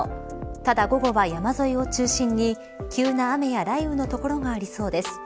ただ、午後は山沿いを中心に急な雨や雷雨の所がありそうです。